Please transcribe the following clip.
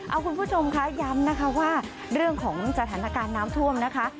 เอาคุณผู้ชมค่ะย้ำนะคะว่าเรื่องของสถานการณ์น้ำท่วมนะคะ